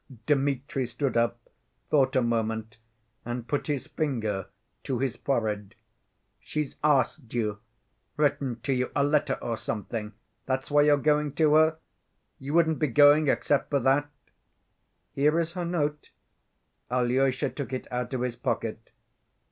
Dmitri stood up, thought a moment, and put his finger to his forehead. "She's asked you, written to you a letter or something, that's why you're going to her? You wouldn't be going except for that?" "Here is her note." Alyosha took it out of his pocket.